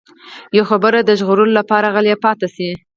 يوه خبره د ژغورلو لپاره غلی پاتې شي.